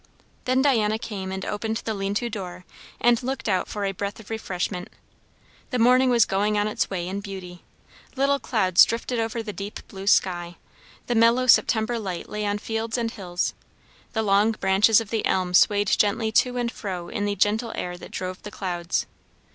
Then Diana came and opened the lean to door and looked out for a breath of refreshment. The morning was going on its way in beauty. Little clouds drifted over the deep blue sky; the mellow September light lay on fields and hills; the long branches of the elm swayed gently to and fro in the gentle air that drove the clouds.